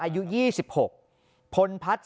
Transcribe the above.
อายุ๒๖พลพัฒน์